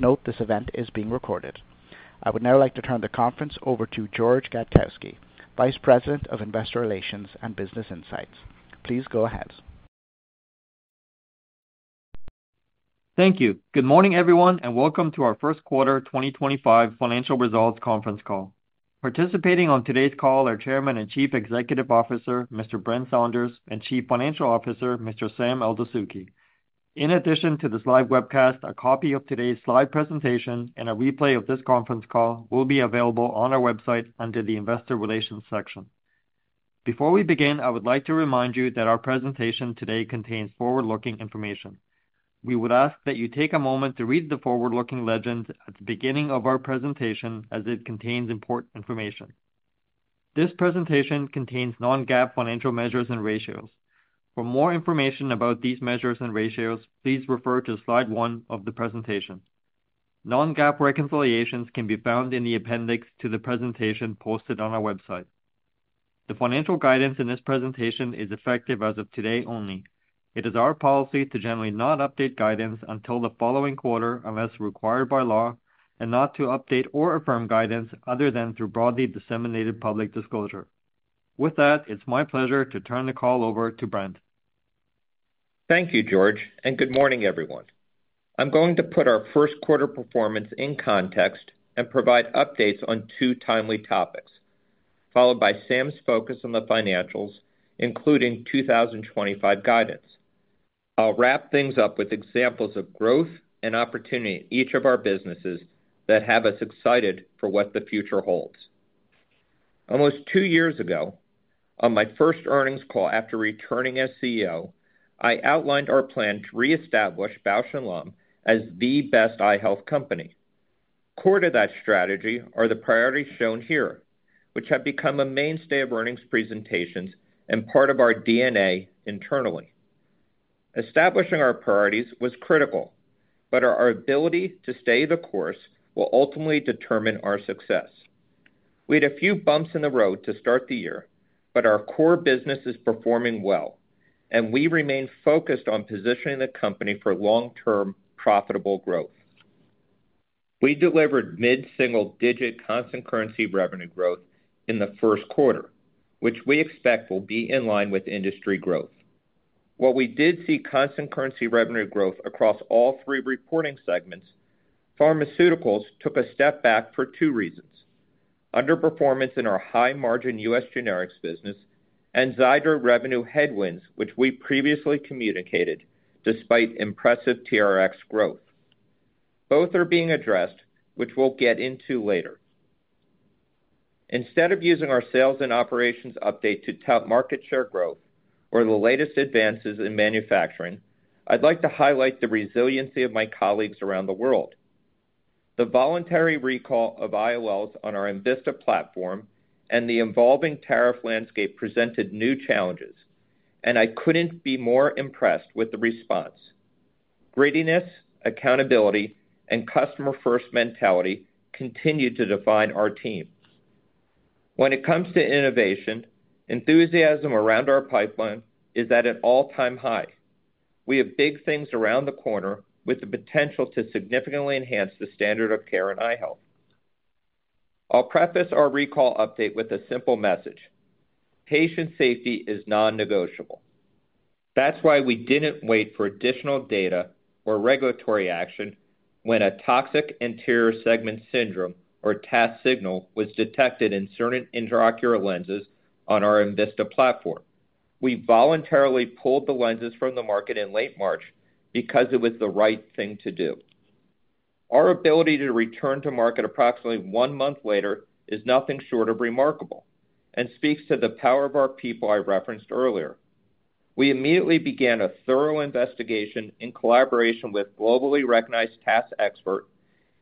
Note this event is being recorded. I would now like to turn the conference over to George Gadkowski, Vice President of Investor Relations and Business Insights. Please go ahead. Thank you. Good morning, everyone, and welcome to our First Quarter 2025 Financial Results Conference Call. Participating on today's call are Chairman and Chief Executive Officer Mr. Brent Saunders and Chief Financial Officer Mr. Sam Eldessouky. In addition to this live webcast, a copy of today's live presentation and a replay of this conference call will be available on our website under the Investor Relations section. Before we begin, I would like to remind you that our presentation today contains forward-looking information. We would ask that you take a moment to read the forward-looking legend at the beginning of our presentation, as it contains important information. This presentation contains non-GAAP financial measures and ratios. For more information about these measures and ratios, please refer to Slide 1 of the presentation. Non-GAAP reconciliations can be found in the appendix to the presentation posted on our website. The financial guidance in this presentation is effective as of today only. It is our policy to generally not update guidance until the following quarter unless required by law, and not to update or affirm guidance other than through broadly disseminated public disclosure. With that, it's my pleasure to turn the call over to Brent. Thank you, George, and good morning, everyone. I'm going to put our first quarter performance in context and provide updates on two timely topics, followed by Sam's focus on the financials, including 2025 guidance. I'll wrap things up with examples of growth and opportunity in each of our businesses that have us excited for what the future holds. Almost two years ago, on my first earnings call after returning as CEO, I outlined our plan to reestablish Bausch + Lomb as the best eye health company. Core to that strategy are the priorities shown here, which have become a mainstay of earnings presentations and part of our DNA internally. Establishing our priorities was critical, but our ability to stay the course will ultimately determine our success. We had a few bumps in the road to start the year, but our core business is performing well, and we remain focused on positioning the company for long-term profitable growth. We delivered mid-single-digit constant currency revenue growth in the first quarter, which we expect will be in line with industry growth. While we did see constant currency revenue growth across all three reporting segments, pharmaceuticals took a step back for two reasons: underperformance in our high-margin U.S. generics business and Xiidra revenue headwinds, which we previously communicated despite impressive TRX growth. Both are being addressed, which we'll get into later. Instead of using our sales and operations update to tout market share growth or the latest advances in manufacturing, I'd like to highlight the resiliency of my colleagues around the world. The voluntary recall of IOLs on our Invista platform and the evolving tariff landscape presented new challenges, and I couldn't be more impressed with the response. Grittiness, accountability, and customer-first mentality continue to define our team. When it comes to innovation, enthusiasm around our pipeline is at an all-time high. We have big things around the corner with the potential to significantly enhance the standard of care in eye health. I'll preface our recall update with a simple message: patient safety is non-negotiable. That's why we didn't wait for additional data or regulatory action when a toxic anterior segment syndrome or TAS signal was detected in certain intraocular lenses on our Invista platform. We voluntarily pulled the lenses from the market in late March because it was the right thing to do. Our ability to return to market approximately one month later is nothing short of remarkable and speaks to the power of our people I referenced earlier. We immediately began a thorough investigation in collaboration with a globally recognized TAS expert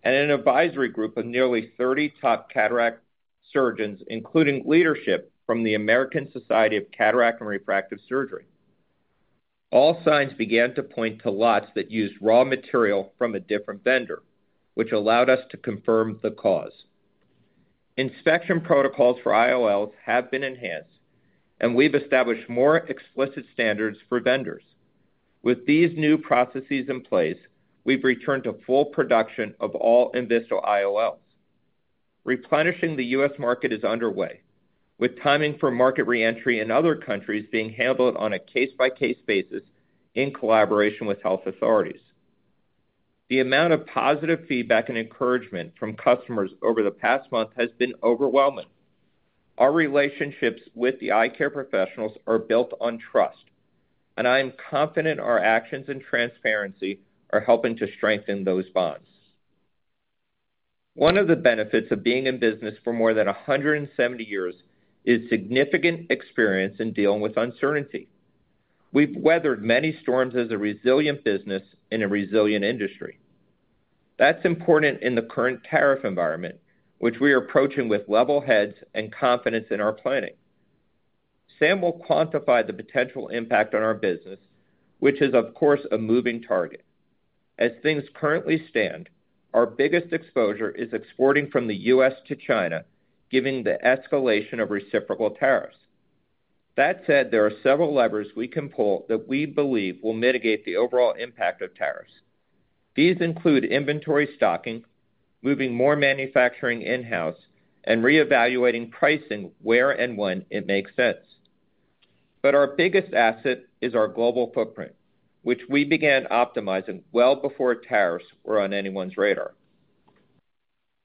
and an advisory group of nearly 30 top cataract surgeons, including leadership from the American Society of Cataract and Refractive Surgery. All signs began to point to lots that used raw material from a different vendor, which allowed us to confirm the cause. Inspection protocols for IOLs have been enhanced, and we've established more explicit standards for vendors. With these new processes in place, we've returned to full production of all Invista IOLs. Replenishing the U.S. Market is underway, with timing for market reentry in other countries being handled on a case-by-case basis in collaboration with health authorities. The amount of positive feedback and encouragement from customers over the past month has been overwhelming. Our relationships with the eye care professionals are built on trust, and I am confident our actions and transparency are helping to strengthen those bonds. One of the benefits of being in business for more than 170 years is significant experience in dealing with uncertainty. We've weathered many storms as a resilient business in a resilient industry. That's important in the current tariff environment, which we are approaching with level heads and confidence in our planning. Sam will quantify the potential impact on our business, which is, of course, a moving target. As things currently stand, our biggest exposure is exporting from the U.S. to China, given the escalation of reciprocal tariffs. That said, there are several levers we can pull that we believe will mitigate the overall impact of tariffs. These include inventory stocking, moving more manufacturing in-house, and reevaluating pricing where and when it makes sense. Our biggest asset is our global footprint, which we began optimizing well before tariffs were on anyone's radar.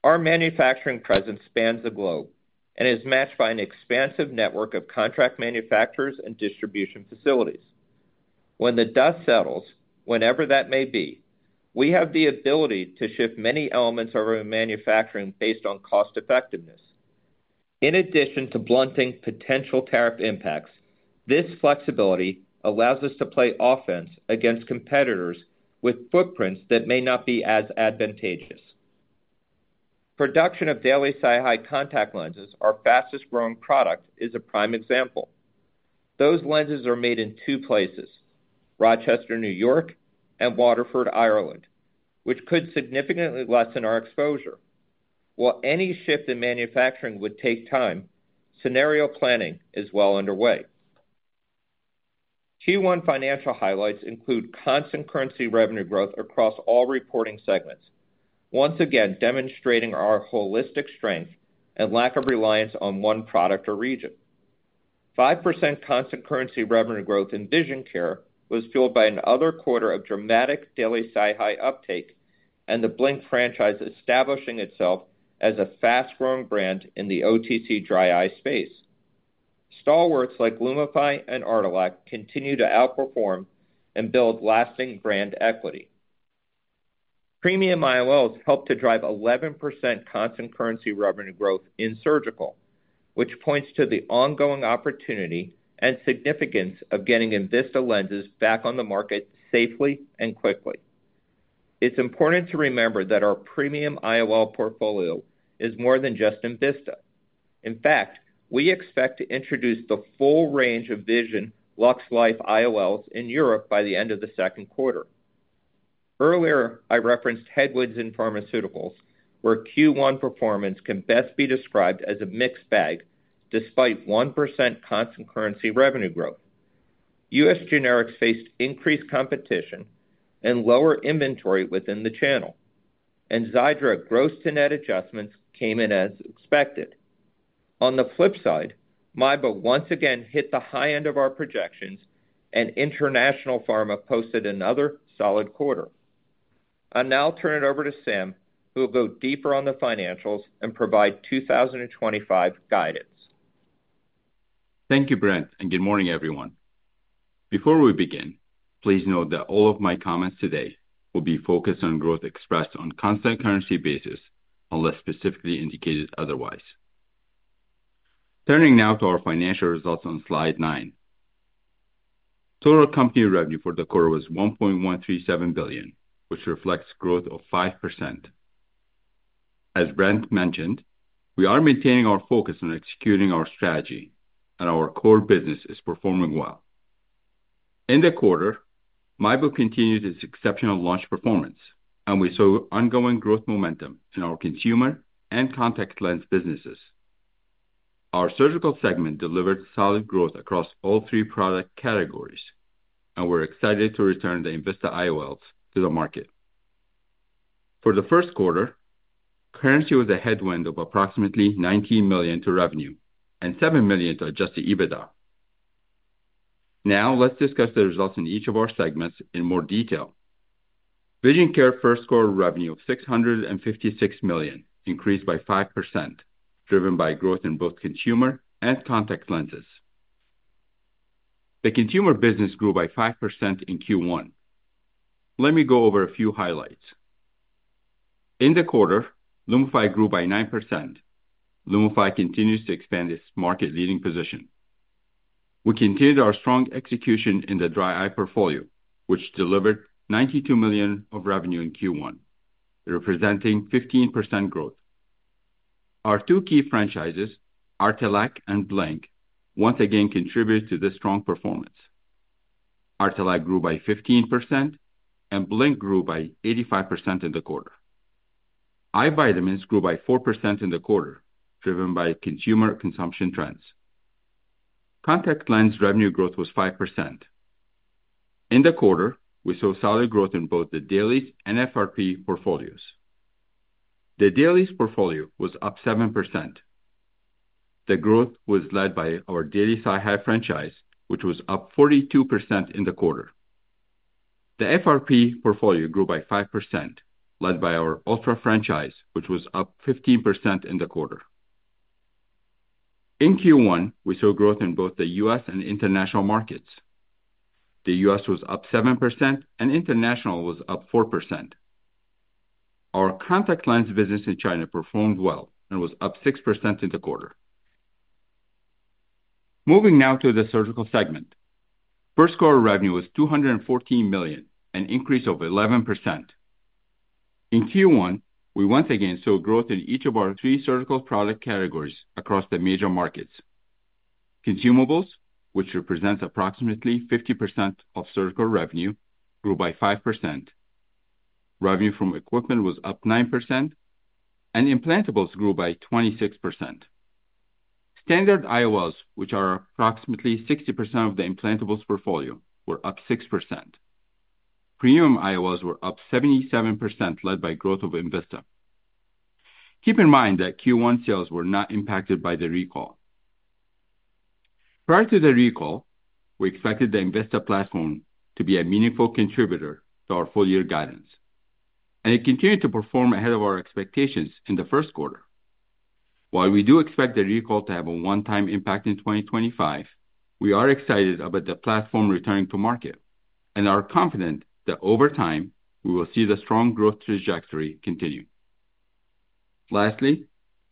Our manufacturing presence spans the globe and is matched by an expansive network of contract manufacturers and distribution facilities. When the dust settles, whenever that may be, we have the ability to shift many elements of our manufacturing based on cost-effectiveness. In addition to blunting potential tariff impacts, this flexibility allows us to play offense against competitors with footprints that may not be as advantageous. Production of daily SiHi contact lenses, our fastest-growing product, is a prime example. Those lenses are made in two places: Rochester, New York, and Waterford, Ireland, which could significantly lessen our exposure. While any shift in manufacturing would take time, scenario planning is well underway. Q1 financial highlights include constant currency revenue growth across all reporting segments, once again demonstrating our holistic strength and lack of reliance on one product or region. 5% constant currency revenue growth in vision care was fueled by another quarter of dramatic daily SiHi uptake and the Blink franchise establishing itself as a fast-growing brand in the OTC dry eye space. Stalwarts like Lumify and Artelac continue to outperform and build lasting brand equity. Premium IOLs helped to drive 11% constant currency revenue growth in surgical, which points to the ongoing opportunity and significance of getting Invista lenses back on the market safely and quickly. It's important to remember that our premium IOL portfolio is more than just Invista. In fact, we expect to introduce the full range of vision LuxLife IOLs in Europe by the end of the second quarter. Earlier, I referenced headwinds in pharmaceuticals, where Q1 performance can best be described as a mixed bag despite 1% constant currency revenue growth. U.S. generics faced increased competition and lower inventory within the channel, and Xiidra gross-to-net adjustments came in as expected. On the flip side, Mibo once again hit the high end of our projections, and International Pharma posted another solid quarter. I'll now turn it over to Sam, who will go deeper on the financials and provide 2025 guidance. Thank you, Brent, and good morning, everyone. Before we begin, please note that all of my comments today will be focused on growth expressed on a constant currency basis unless specifically indicated otherwise. Turning now to our financial results on Slide 9. Total company revenue for the quarter was $1.137 billion, which reflects growth of 5%. As Brent mentioned, we are maintaining our focus on executing our strategy, and our core business is performing well. In the quarter, Mibo continued its exceptional launch performance, and we saw ongoing growth momentum in our consumer and contact lens businesses. Our surgical segment delivered solid growth across all three product categories, and we are excited to return the Invista IOLs to the market. For the first quarter, currency was a headwind of approximately $19 million to revenue and $7 million to adjusted EBITDA. Now, let's discuss the results in each of our segments in more detail. Vision care first quarter revenue of $656 million increased by 5%, driven by growth in both consumer and contact lenses. The consumer business grew by 5% in Q1. Let me go over a few highlights. In the quarter, Lumify grew by 9%. Lumify continues to expand its market-leading position. We continued our strong execution in the dry eye portfolio, which delivered $92 million of revenue in Q1, representing 15% growth. Our two key franchises, Artelac and Blink, once again contributed to this strong performance. Artelac grew by 15%, and Blink grew by 85% in the quarter. Eye vitamins grew by 4% in the quarter, driven by consumer consumption trends. Contact lens revenue growth was 5%. In the quarter, we saw solid growth in both the dailies and FRP portfolios. The dailies portfolio was up 7%. The growth was led by our daily SiHi franchise, which was up 42% in the quarter. The FRP portfolio grew by 5%, led by our Ultra franchise, which was up 15% in the quarter. In Q1, we saw growth in both the U.S. and international markets. The U.S. was up 7%, and international was up 4%. Our contact lens business in China performed well and was up 6% in the quarter. Moving now to the surgical segment. First quarter revenue was $214 million, an increase of 11%. In Q1, we once again saw growth in each of our three surgical product categories across the major markets. Consumables, which represent approximately 50% of surgical revenue, grew by 5%. Revenue from equipment was up 9%, and implantables grew by 26%. Standard IOLs, which are approximately 60% of the implantables portfolio, were up 6%. Premium IOLs were up 77%, led by growth of Invista. Keep in mind that Q1 sales were not impacted by the recall. Prior to the recall, we expected the Invista platform to be a meaningful contributor to our full-year guidance, and it continued to perform ahead of our expectations in the first quarter. While we do expect the recall to have a one-time impact in 2025, we are excited about the platform returning to market, and are confident that over time, we will see the strong growth trajectory continue. Lastly,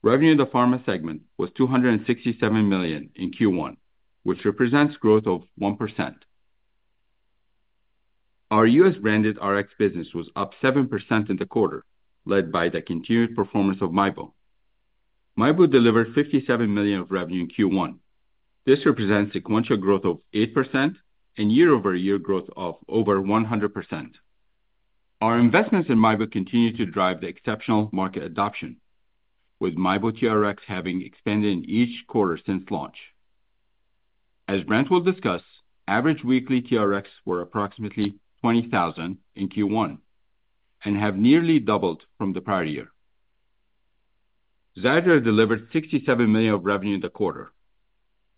revenue in the pharma segment was $267 million in Q1, which represents growth of 1%. Our U.S. branded Rx business was up 7% in the quarter, led by the continued performance of Mibo. Mibo delivered $57 million of revenue in Q1. This represents sequential growth of 8% and year-over-year growth of over 100%. Our investments in Mibo continue to drive the exceptional market adoption, with Mibo TRX having expanded in each quarter since launch. As Brent will discuss, average weekly TRX were approximately $20,000 in Q1 and have nearly doubled from the prior year. Xiidra delivered $67 million of revenue in the quarter.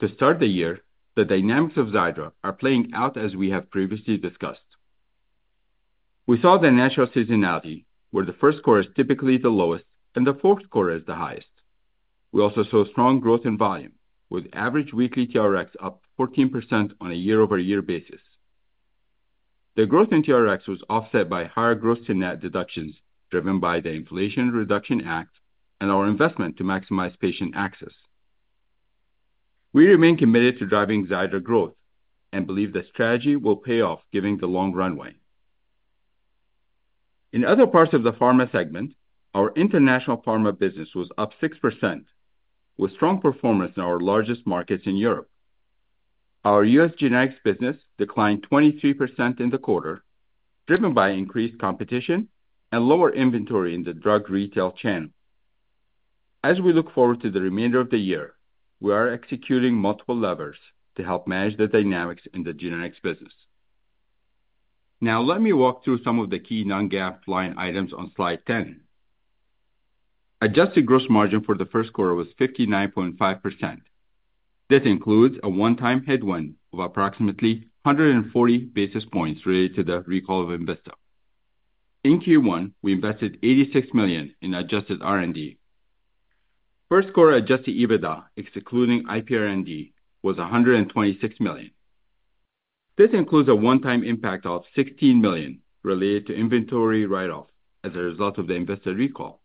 To start the year, the dynamics of Xiidra are playing out as we have previously discussed. We saw the natural seasonality, where the first quarter is typically the lowest and the fourth quarter is the highest. We also saw strong growth in volume, with average weekly TRX up 14% on a year-over-year basis. The growth in TRX was offset by higher gross-to-net deductions driven by the Inflation Reduction Act and our investment to maximize patient access. We remain committed to driving Xiidra growth and believe the strategy will pay off given the long runway. In other parts of the pharma segment, our international pharma business was up 6%, with strong performance in our largest markets in Europe. Our US generics business declined 23% in the quarter, driven by increased competition and lower inventory in the drug retail channel. As we look forward to the remainder of the year, we are executing multiple levers to help manage the dynamics in the generics business. Now, let me walk through some of the key non-GAAP line items on Slide 10. Adjusted gross margin for the first quarter was 59.5%. This includes a one-time headwind of approximately 140 basis points related to the recall of Invista. In Q1, we invested $86 million in adjusted R&D. First quarter adjusted EBITDA, excluding IPR&D, was $126 million. This includes a one-time impact of $16 million related to inventory write-off as a result of the Invista recall.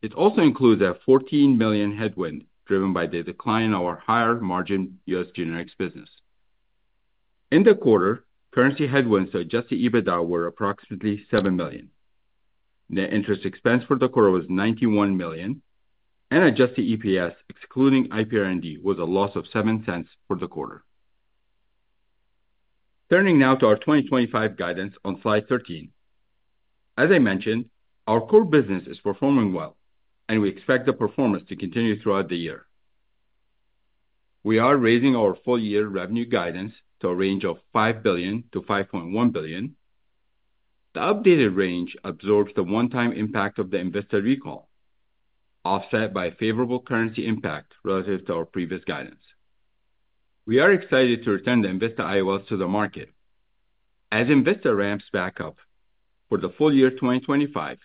It also includes a $14 million headwind driven by the decline of our higher-margin US generics business. In the quarter, currency headwinds to adjusted EBITDA were approximately $7 million. The interest expense for the quarter was $91 million, and adjusted EPS, excluding IPR&D, was a loss of $0.07 for the quarter. Turning now to our 2025 guidance on Slide 13. As I mentioned, our core business is performing well, and we expect the performance to continue throughout the year. We are raising our full-year revenue guidance to a range of $5 billion-$5.1 billion. The updated range absorbs the one-time impact of the Invista recall, offset by favorable currency impact relative to our previous guidance. We are excited to return the Invista IOLs to the market. As Invista ramps back up for the full year 2025,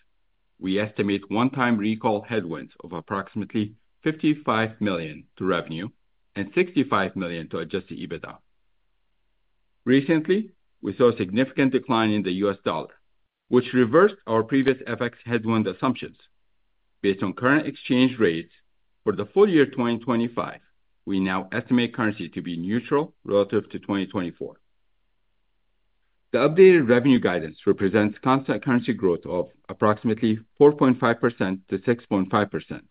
we estimate one-time recall headwinds of approximately $55 million to revenue and $65 million to adjusted EBITDA. Recently, we saw a significant decline in the U.S. dollar, which reversed our previous FX headwind assumptions. Based on current exchange rates, for the full year 2025, we now estimate currency to be neutral relative to 2024. The updated revenue guidance represents constant currency growth of approximately 4.5%-6.5%.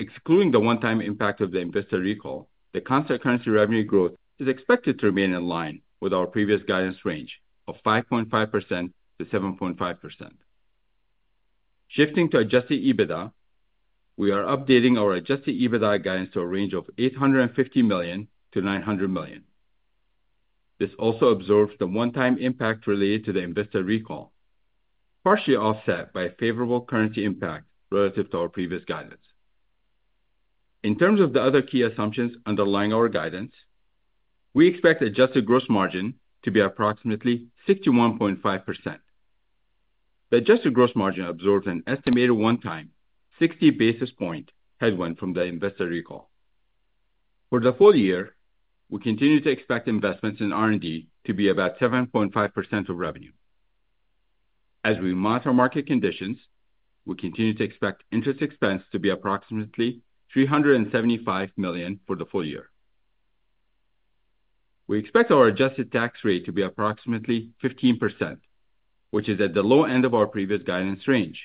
Excluding the one-time impact of the Invista recall, the constant currency revenue growth is expected to remain in line with our previous guidance range of 5.5%-7.5%. Shifting to adjusted EBITDA, we are updating our adjusted EBITDA guidance to a range of $850 million-$900 million. This also absorbs the one-time impact related to the Invista recall, partially offset by favorable currency impact relative to our previous guidance. In terms of the other key assumptions underlying our guidance, we expect adjusted gross margin to be approximately 61.5%. The adjusted gross margin absorbs an estimated one-time 60 basis point headwind from the Invista recall. For the full year, we continue to expect investments in R&D to be about 7.5% of revenue. As we monitor market conditions, we continue to expect interest expense to be approximately $375 million for the full year. We expect our adjusted tax rate to be approximately 15%, which is at the low end of our previous guidance range.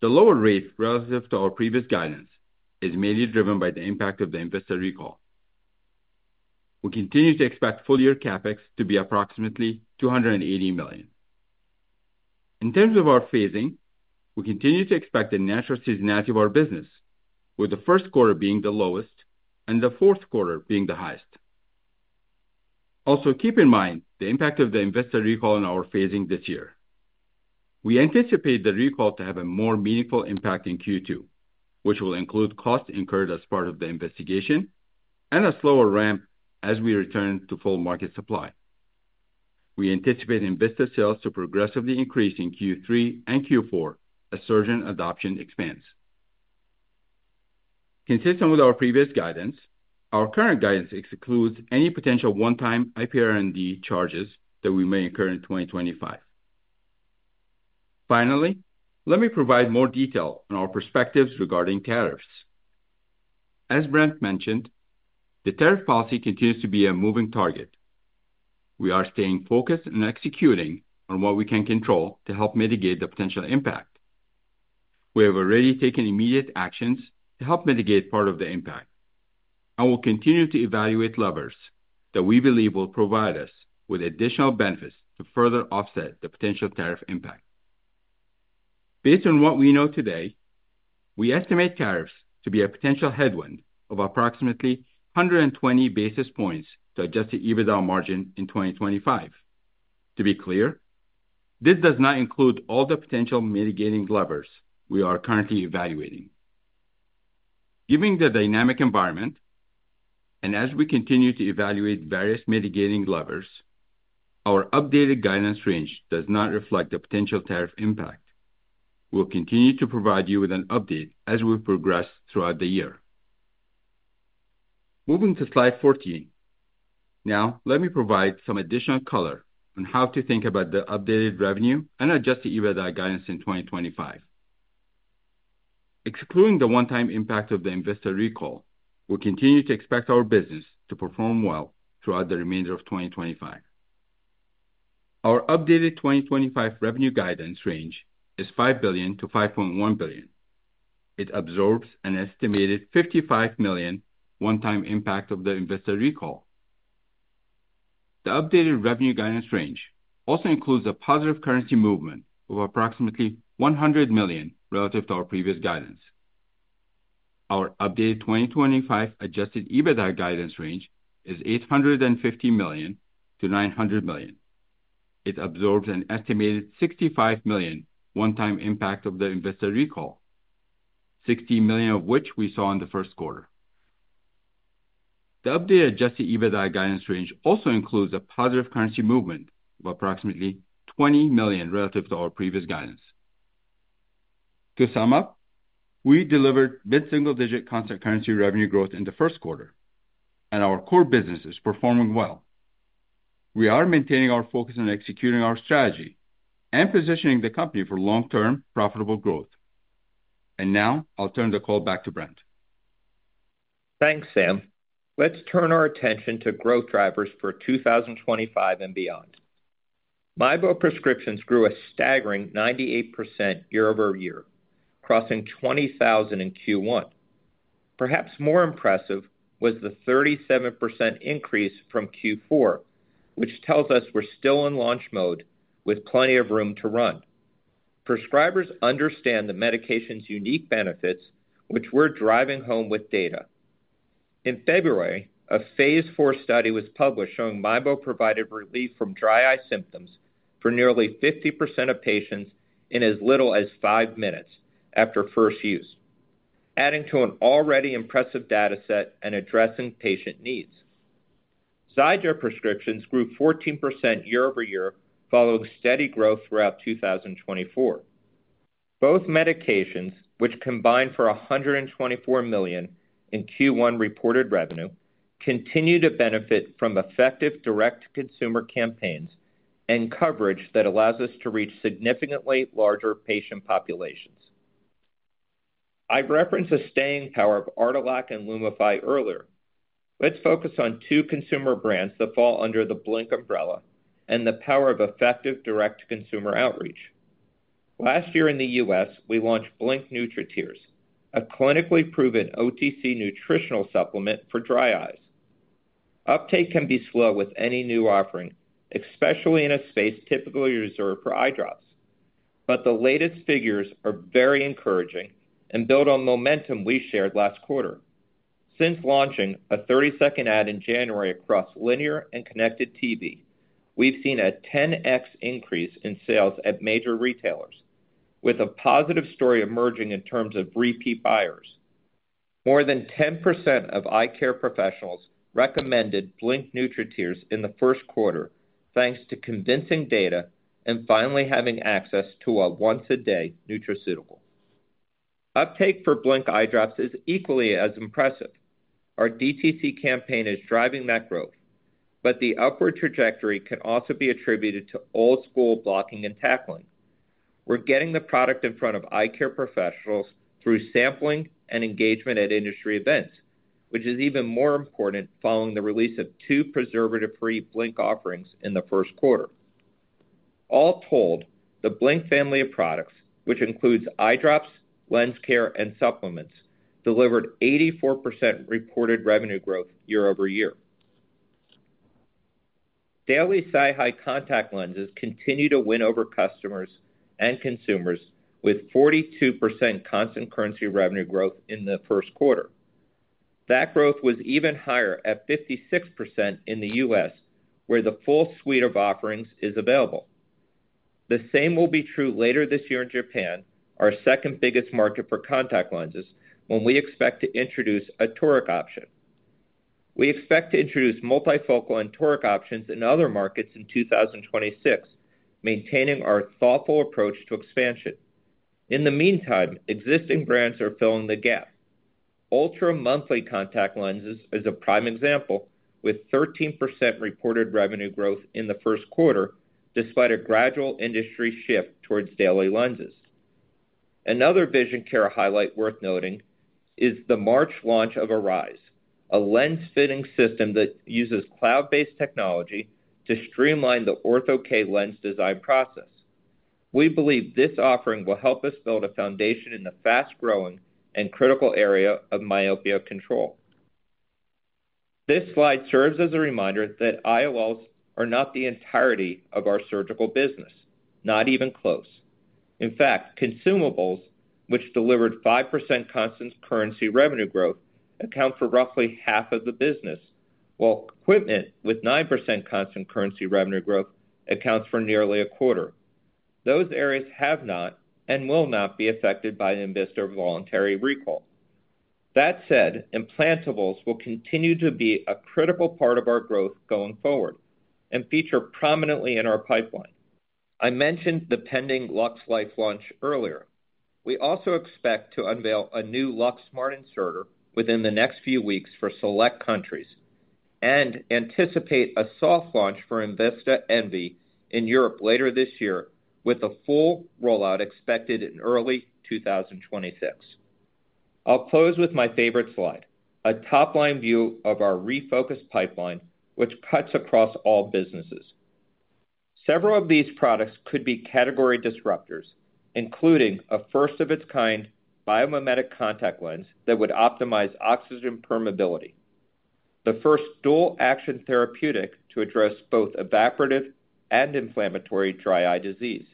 The lower rate relative to our previous guidance is mainly driven by the impact of the Invista recall. We continue to expect full-year CapEx to be approximately $280 million. In terms of our phasing, we continue to expect the natural seasonality of our business, with the first quarter being the lowest and the fourth quarter being the highest. Also, keep in mind the impact of the Invista recall on our phasing this year. We anticipate the recall to have a more meaningful impact in Q2, which will include costs incurred as part of the investigation and a slower ramp as we return to full market supply. We anticipate Invista sales to progressively increase in Q3 and Q4 as surging adoption expands. Consistent with our previous guidance, our current guidance excludes any potential one-time IPR&D charges that we may incur in 2025. Finally, let me provide more detail on our perspectives regarding tariffs. As Brent mentioned, the tariff policy continues to be a moving target. We are staying focused and executing on what we can control to help mitigate the potential impact. We have already taken immediate actions to help mitigate part of the impact, and we'll continue to evaluate levers that we believe will provide us with additional benefits to further offset the potential tariff impact. Based on what we know today, we estimate tariffs to be a potential headwind of approximately 120 basis points to adjusted EBITDA margin in 2025. To be clear, this does not include all the potential mitigating levers we are currently evaluating. Given the dynamic environment, and as we continue to evaluate various mitigating levers, our updated guidance range does not reflect the potential tariff impact. We'll continue to provide you with an update as we progress throughout the year. Moving to Slide 14. Now, let me provide some additional color on how to think about the updated revenue and adjusted EBITDA guidance in 2025. Excluding the one-time impact of the Invista recall, we continue to expect our business to perform well throughout the remainder of 2025. Our updated 2025 revenue guidance range is $5 billion-$5.1 billion. It absorbs an estimated $55 million one-time impact of the Invista recall. The updated revenue guidance range also includes a positive currency movement of approximately $100 million relative to our previous guidance. Our updated 2025 adjusted EBITDA guidance range is $850 million-$900 million. It absorbs an estimated $65 million one-time impact of the Invista recall, $60 million of which we saw in the first quarter. The updated adjusted EBITDA guidance range also includes a positive currency movement of approximately $20 million relative to our previous guidance. To sum up, we delivered mid-single-digit constant currency revenue growth in the first quarter, and our core business is performing well. We are maintaining our focus on executing our strategy and positioning the company for long-term profitable growth. Now, I'll turn the call back to Brent. Thanks, Sam. Let's turn our attention to growth drivers for 2025 and beyond. Mibo prescriptions grew a staggering 98% year-over-year, crossing $20,000 in Q1. Perhaps more impressive was the 37% increase from Q4, which tells us we're still in launch mode with plenty of room to run. Prescribers understand the medication's unique benefits, which we're driving home with data. In February, a phase IV study was published showing Mibo provided relief from dry eye symptoms for nearly 50% of patients in as little as five minutes after first use, adding to an already impressive data set and addressing patient needs. Xiidra prescriptions grew 14% year-over-year following steady growth throughout 2024. Both medications, which combined for $124 million in Q1 reported revenue, continue to benefit from effective direct-to-consumer campaigns and coverage that allows us to reach significantly larger patient populations. I've referenced the staying power of Artelac and Lumify earlier. Let's focus on two consumer brands that fall under the Blink umbrella and the power of effective direct-to-consumer outreach. Last year in the U.S., we launched Blink Nutriteers, a clinically proven OTC nutritional supplement for dry eyes. Uptake can be slow with any new offering, especially in a space typically reserved for eye drops. The latest figures are very encouraging and build on momentum we shared last quarter. Since launching a 30-second ad in January across linear and connected TV, we've seen a 10x increase in sales at major retailers, with a positive story emerging in terms of repeat buyers. More than 10% of eye care professionals recommended Blink Nutriteers in the first quarter thanks to convincing data and finally having access to a once-a-day nutraceutical. Uptake for Blink eye drops is equally as impressive. Our DTC campaign is driving that growth, but the upward trajectory can also be attributed to old-school blocking and tackling. We are getting the product in front of eye care professionals through sampling and engagement at industry events, which is even more important following the release of two preservative-free Blink offerings in the first quarter. All told, the Blink family of products, which includes eye drops, lens care, and supplements, delivered 84% reported revenue growth year-over-year. Daily SiHi contact lenses continue to win over customers and consumers with 42% constant currency revenue growth in the first quarter. That growth was even higher at 56% in the U.S., where the full suite of offerings is available. The same will be true later this year in Japan, our second biggest market for contact lenses, when we expect to introduce a toric option. We expect to introduce multifocal and toric options in other markets in 2026, maintaining our thoughtful approach to expansion. In the meantime, existing brands are filling the gap. Ultra monthly contact lenses is a prime example with 13% reported revenue growth in the first quarter, despite a gradual industry shift towards daily lenses. Another vision care highlight worth noting is the March launch of Arise, a lens fitting system that uses cloud-based technology to streamline the Ortho-K lens design process. We believe this offering will help us build a foundation in the fast-growing and critical area of myopia control. This slide serves as a reminder that IOLs are not the entirety of our surgical business, not even close. In fact, consumables, which delivered 5% constant currency revenue growth, account for roughly half of the business, while equipment with 9% constant currency revenue growth accounts for nearly a quarter. Those areas have not and will not be affected by Invista's voluntary recall. That said, implantables will continue to be a critical part of our growth going forward and feature prominently in our pipeline. I mentioned the pending LuxLife launch earlier. We also expect to unveil a new LuxSmart inserter within the next few weeks for select countries and anticipate a soft launch for Invista Envy in Europe later this year, with a full rollout expected in early 2026. I'll close with my favorite slide, a top-line view of our refocused pipeline, which cuts across all businesses. Several of these products could be category disruptors, including a first-of-its-kind biomimetic contact lens that would optimize oxygen permeability, the first dual-action therapeutic to address both evaporative and inflammatory dry eye disease,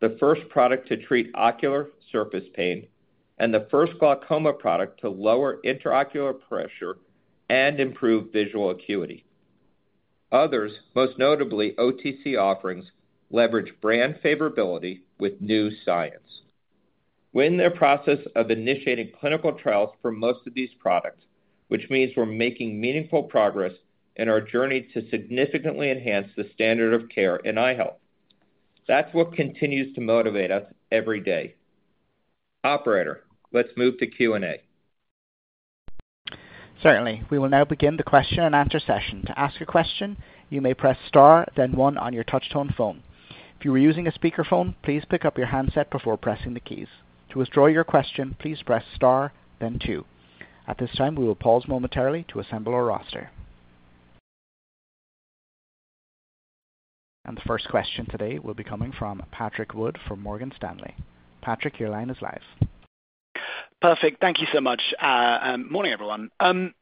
the first product to treat ocular surface pain, and the first glaucoma product to lower intraocular pressure and improve visual acuity. Others, most notably OTC offerings, leverage brand favorability with new science. We're in the process of initiating clinical trials for most of these products, which means we're making meaningful progress in our journey to significantly enhance the standard of care in eye health. That's what continues to motivate us every day. Operator, let's move to Q&A. Certainly. We will now begin the question and answer session. To ask a question, you may press Star, then 1 on your touch-tone phone. If you are using a speakerphone, please pick up your handset before pressing the keys. To withdraw your question, please press Star, then 2. At this time, we will pause momentarily to assemble our roster. The first question today will be coming from Patrick Wood from Morgan Stanley. Patrick, your line is live. Perfect. Thank you so much. Morning, everyone. I'm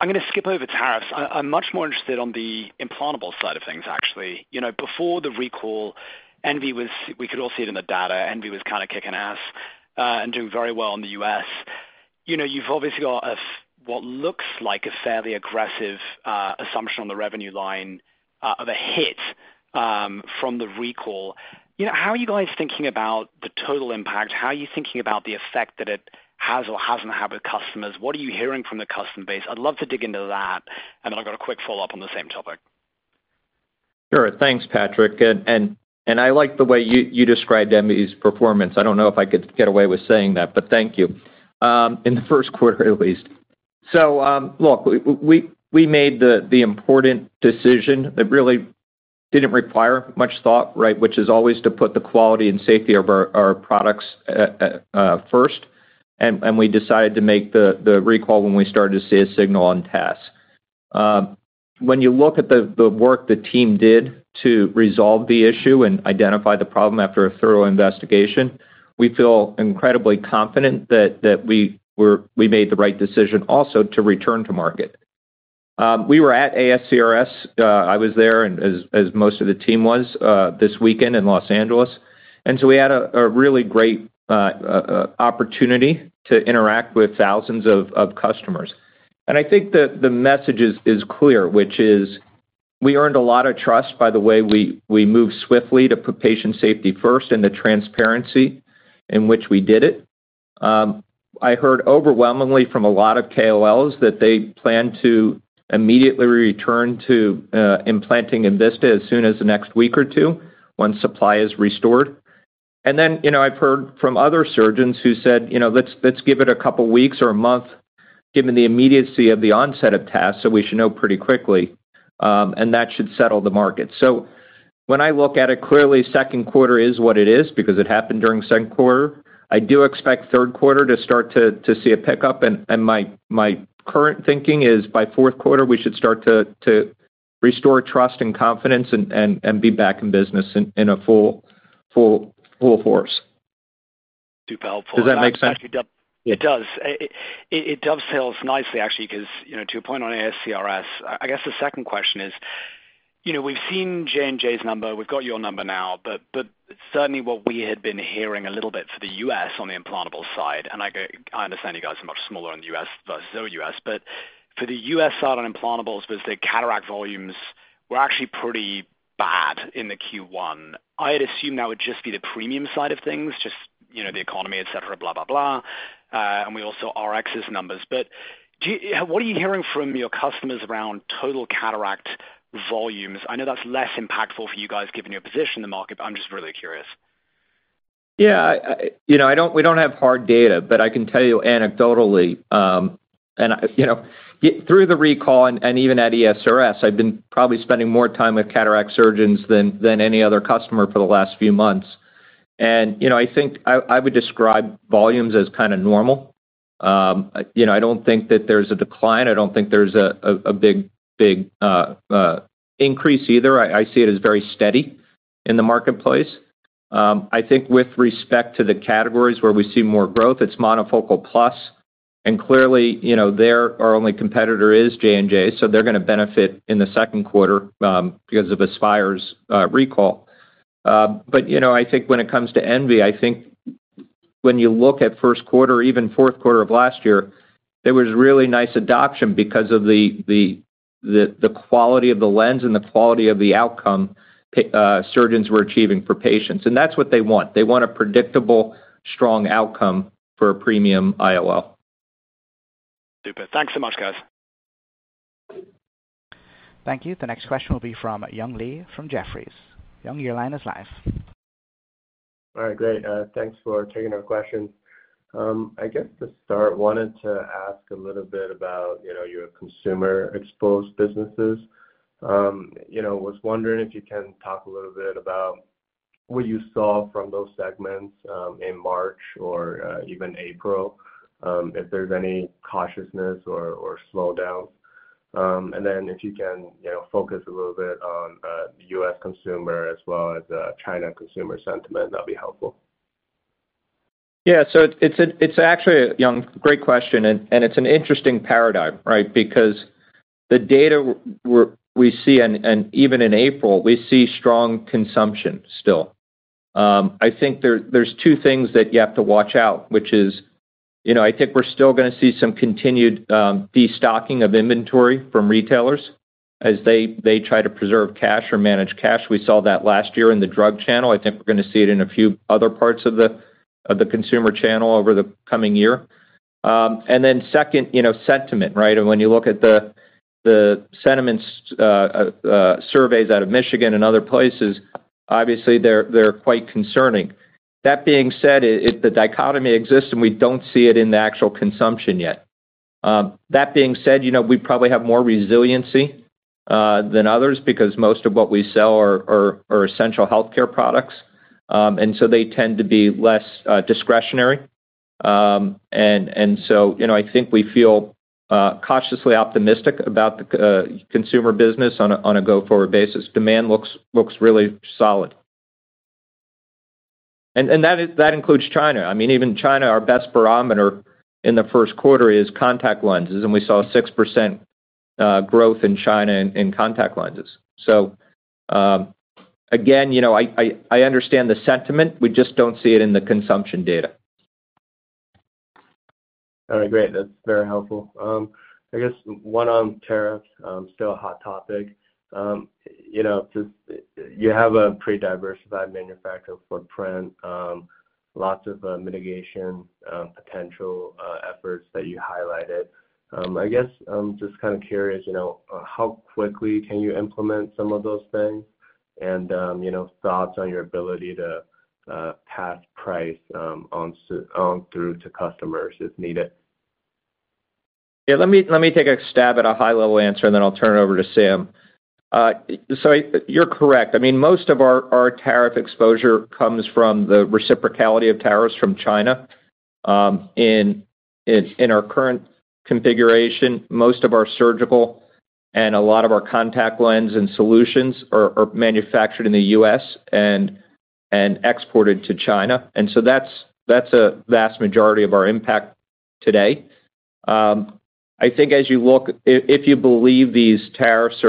going to skip over tariffs. I'm much more interested on the implantable side of things, actually. Before the recall, Envy was—we could all see it in the data—Envy was kind of kicking ass and doing very well in the U.S. You've obviously got what looks like a fairly aggressive assumption on the revenue line of a hit from the recall. How are you guys thinking about the total impact? How are you thinking about the effect that it has or hasn't had with customers? What are you hearing from the customer base? I'd love to dig into that, and then I've got a quick follow-up on the same topic. Sure. Thanks, Patrick. I like the way you described Envy's performance. I don't know if I could get away with saying that, but thank you, in the first quarter at least. Look, we made the important decision that really didn't require much thought, which is always to put the quality and safety of our products first. We decided to make the recall when we started to see a signal on TAS. When you look at the work the team did to resolve the issue and identify the problem after a thorough investigation, we feel incredibly confident that we made the right decision also to return to market. We were at ASCRS. I was there, as most of the team was, this weekend in Los Angeles. We had a really great opportunity to interact with thousands of customers. I think the message is clear, which is we earned a lot of trust by the way we moved swiftly to put patient safety first and the transparency in which we did it. I heard overwhelmingly from a lot of KOLs that they plan to immediately return to implanting Invista as soon as the next week or two once supply is restored. I have heard from other surgeons who said, "Let's give it a couple of weeks or a month given the immediacy of the onset of TAS, so we should know pretty quickly, and that should settle the market." When I look at it, clearly, second quarter is what it is because it happened during second quarter. I do expect third quarter to start to see a pickup. My current thinking is by fourth quarter, we should start to restore trust and confidence and be back in business in a full force. Super helpful. Does that make sense? It does. It dovetails nicely, actually, because to your point on ASCRS, I guess the second question is we've seen J&J's number. We've got your number now. Certainly, what we had been hearing a little bit for the U.S. on the implantable side, and I understand you guys are much smaller in the U.S. versus OUS, but for the U.S. side on implantables, was the cataract volumes were actually pretty bad in Q1. I had assumed that would just be the premium side of things, just the economy, etc., blah, blah, blah. We also RX's numbers. What are you hearing from your customers around total cataract volumes? I know that's less impactful for you guys given your position in the market, but I'm just really curious. Yeah. We don't have hard data, but I can tell you anecdotally. Through the recall and even at ASCRS, I've been probably spending more time with cataract surgeons than any other customer for the last few months. I think I would describe volumes as kind of normal. I don't think that there's a decline. I don't think there's a big increase either. I see it as very steady in the marketplace. I think with respect to the categories where we see more growth, it's monofocal plus. Clearly, their only competitor is J&J, so they're going to benefit in the second quarter because of Aspire's recall. I think when it comes to Envy, I think when you look at first quarter, even fourth quarter of last year, there was really nice adoption because of the quality of the lens and the quality of the outcome surgeons were achieving for patients. That's what they want. They want a predictable, strong outcome for a premium IOL. Super. Thanks so much, guys. Thank you. The next question will be from Young Lee from Jefferies. Young, your line is live. All right. Great. Thanks for taking our questions. I guess to start, wanted to ask a little bit about your consumer exposed businesses. I was wondering if you can talk a little bit about what you saw from those segments in March or even April, if there's any cautiousness or slowdowns. If you can focus a little bit on U.S. Consumer as well as China consumer sentiment, that'd be helpful. Yeah. It's actually a great question, and it's an interesting paradigm, right, because the data we see, and even in April, we see strong consumption still. I think there are two things that you have to watch out, which is I think we're still going to see some continued destocking of inventory from retailers as they try to preserve cash or manage cash. We saw that last year in the drug channel. I think we're going to see it in a few other parts of the consumer channel over the coming year. Second, sentiment, right? When you look at the sentiment surveys out of Michigan and other places, obviously, they're quite concerning. That being said, the dichotomy exists, and we don't see it in the actual consumption yet. That being said, we probably have more resiliency than others because most of what we sell are essential healthcare products. They tend to be less discretionary. I think we feel cautiously optimistic about the consumer business on a go-forward basis. Demand looks really solid. That includes China. I mean, even China, our best barometer in the first quarter is contact lenses, and we saw a 6% growth in China in contact lenses. Again, I understand the sentiment. We just do not see it in the consumption data. All right. Great. That is very helpful. I guess one on tariffs, still a hot topic. You have a pretty diversified manufacturer footprint, lots of mitigation potential efforts that you highlighted. I guess I'm just kind of curious, how quickly can you implement some of those things and thoughts on your ability to pass price on through to customers if needed? Yeah. Let me take a stab at a high-level answer, and then I'll turn it over to Sam. So you're correct. I mean, most of our tariff exposure comes from the reciprocality of tariffs from China. In our current configuration, most of our surgical and a lot of our contact lens and solutions are manufactured in the U.S. and exported to China. And so that's a vast majority of our impact today. I think as you look, if you believe these tariffs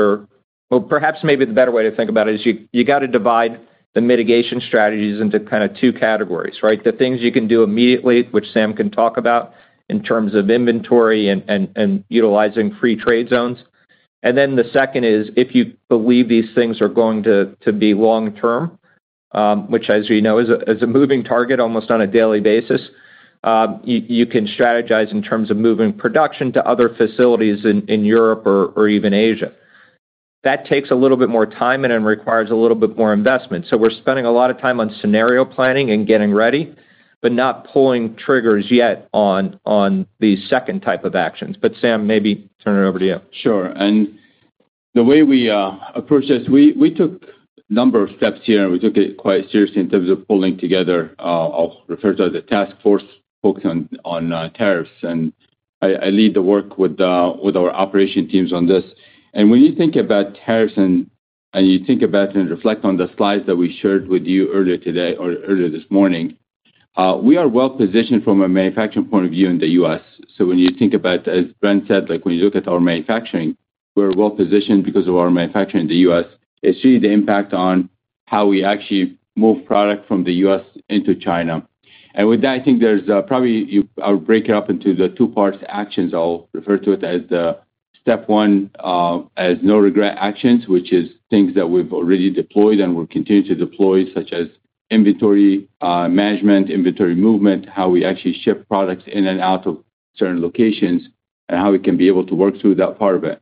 are—well, perhaps maybe the better way to think about it is you got to divide the mitigation strategies into kind of two categories, right? The things you can do immediately, which Sam can talk about in terms of inventory and utilizing free trade zones. The second is if you believe these things are going to be long-term, which, as you know, is a moving target almost on a daily basis, you can strategize in terms of moving production to other facilities in Europe or even Asia. That takes a little bit more time and requires a little bit more investment. We are spending a lot of time on scenario planning and getting ready, but not pulling triggers yet on the second type of actions. Sam, maybe turn it over to you. Sure. The way we approach this, we took a number of steps here, and we took it quite seriously in terms of pulling together—I will refer to it as a task force focused on tariffs. I lead the work with our operation teams on this. When you think about tariffs and you think about and reflect on the slides that we shared with you earlier today or earlier this morning, we are well-positioned from a manufacturing point of view in the U.S. When you think about, as Brent said, when you look at our manufacturing, we're well-positioned because of our manufacturing in the U.S. It's really the impact on how we actually move product from the U.S. into China. With that, I think there's probably—I’ll break it up into the two parts actions. I'll refer to it as step one, as no-regret actions, which is things that we've already deployed and will continue to deploy, such as inventory management, inventory movement, how we actually ship products in and out of certain locations, and how we can be able to work through that part of it.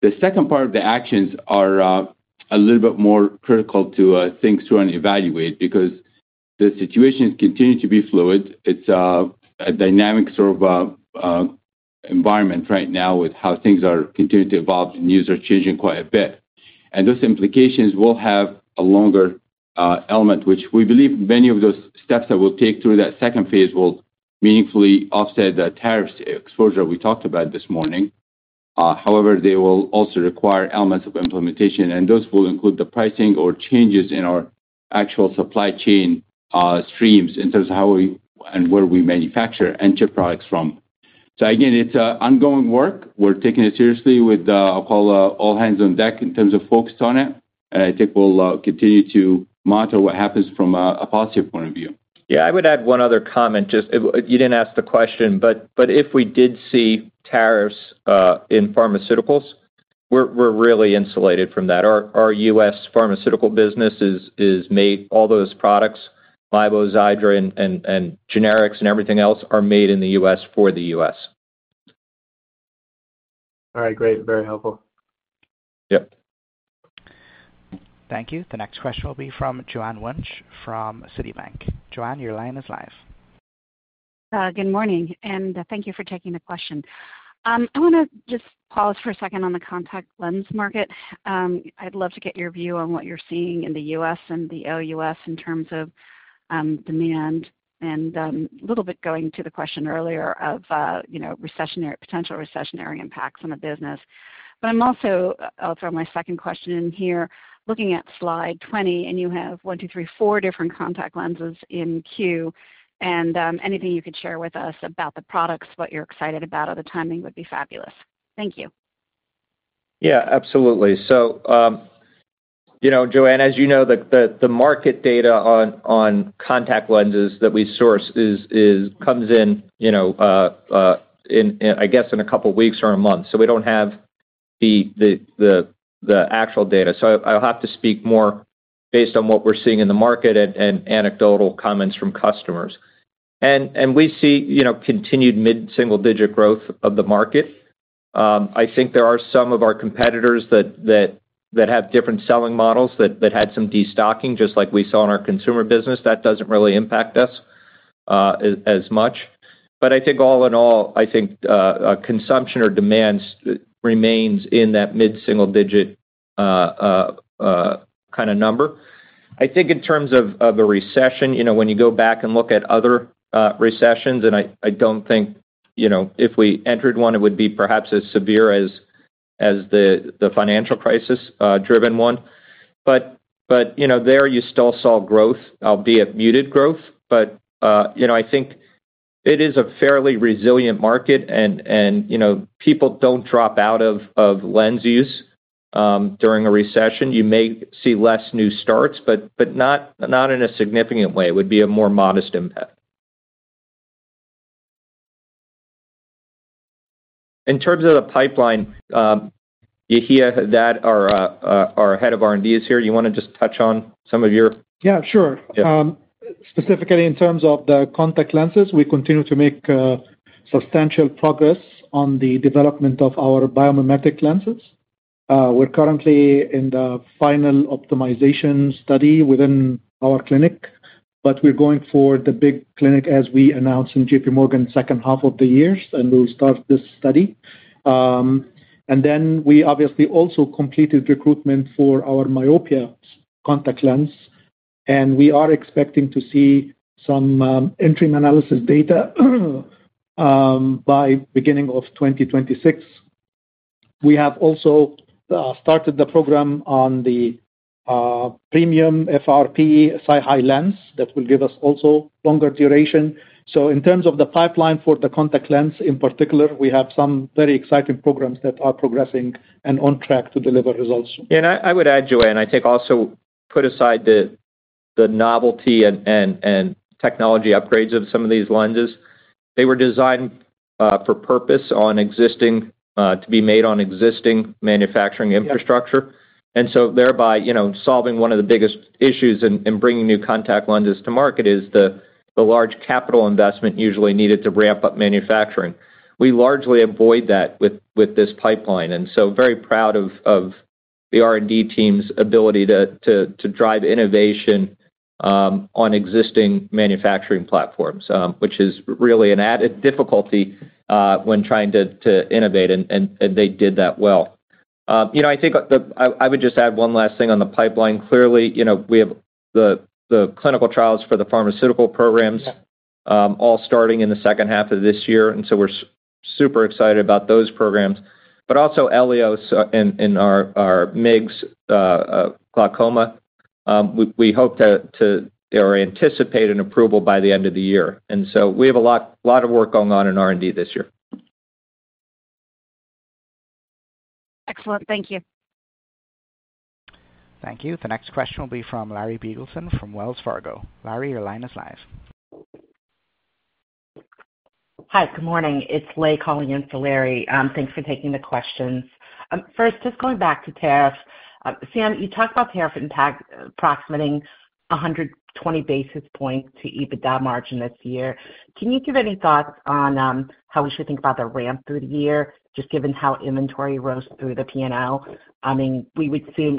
The second part of the actions are a little bit more critical to think through and evaluate because the situation continues to be fluid. It's a dynamic sort of environment right now with how things are continuing to evolve and users changing quite a bit. Those implications will have a longer element, which we believe many of those steps that we'll take through that second phase will meaningfully offset the tariffs exposure we talked about this morning. However, they will also require elements of implementation, and those will include the pricing or changes in our actual supply chain streams in terms of how and where we manufacture and ship products from. It is ongoing work. We're taking it seriously with, I'll call it, all hands on deck in terms of focus on it. I think we'll continue to monitor what happens from a positive point of view. Yeah. I would add one other comment. You didn't ask the question, but if we did see tariffs in pharmaceuticals, we're really insulated from that. Our U.S. pharmaceutical business is made—all those products, Lumify, Xiidra, and generics and everything else are made in the U.S. for the U.S. All right. Great. Very helpful. Yep. Thank you. The next question will be from Joanne Wunch from Citibank. Joanne, your line is live. Good morning, and thank you for taking the question. I want to just pause for a second on the contact lens market. I'd love to get your view on what you're seeing in the U.S. and the OUS in terms of demand and a little bit going to the question earlier of potential recessionary impacts on the business. I'll throw my second question in here. Looking at slide 20, and you have one, two, three, four different contact lenses in queue. Anything you could share with us about the products, what you're excited about, or the timing would be fabulous. Thank you. Yeah. Absolutely. Joanne, as you know, the market data on contact lenses that we source comes in, I guess, in a couple of weeks or a month. We don't have the actual data. I'll have to speak more based on what we're seeing in the market and anecdotal comments from customers. We see continued mid-single-digit growth of the market. I think there are some of our competitors that have different selling models that had some destocking, just like we saw in our consumer business. That doesn't really impact us as much. I think all in all, I think consumption or demand remains in that mid-single-digit kind of number. I think in terms of a recession, when you go back and look at other recessions, and I don't think if we entered one, it would be perhaps as severe as the financial crisis-driven one. There, you still saw growth, albeit muted growth. I think it is a fairly resilient market, and people don't drop out of lens use during a recession. You may see less new starts, but not in a significant way. It would be a more modest impact. In terms of the pipeline, Yehia, our head of R&D, is here. You want to just touch on some of your— Yeah, sure. Specifically in terms of the contact lenses, we continue to make substantial progress on the development of our biomimetic lenses. We're currently in the final optimization study within our clinic, but we're going for the big clinic as we announced in JPMorgan's second half of the year, and we'll start this study. We obviously also completed recruitment for our myopia contact lens, and we are expecting to see some interim analysis data by beginning of 2026. We have also started the program on the premium FRP SiHi lens that will give us also longer duration. In terms of the pipeline for the contact lens in particular, we have some very exciting programs that are progressing and on track to deliver results. Yeah. I would add, Joanne, I think also put aside the novelty and technology upgrades of some of these lenses. They were designed for purpose to be made on existing manufacturing infrastructure. Thereby solving one of the biggest issues in bringing new contact lenses to market is the large capital investment usually needed to ramp up manufacturing. We largely avoid that with this pipeline. I am very proud of the R&D team's ability to drive innovation on existing manufacturing platforms, which is really an added difficulty when trying to innovate, and they did that well. I think I would just add one last thing on the pipeline. Clearly, we have the clinical trials for the pharmaceutical programs all starting in the second half of this year. We are super excited about those programs. Also, LEOs in our MIGS, glaucoma, we hope to anticipate an approval by the end of the year. We have a lot of work going on in R&D this year. Excellent. Thank you. Thank you. The next question will be from Larry Biegelsen from Wells Fargo. Larry, your line is live. Hi. Good morning. It's Lay calling in for Larry. Thanks for taking the questions. First, just going back to tariffs. Sam, you talked about tariffs approximating 120 basis points to EBITDA margin this year. Can you give any thoughts on how we should think about the ramp through the year, just given how inventory rose through the P&L? I mean, we would assume